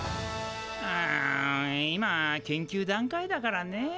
ん今研究段階だからねえ。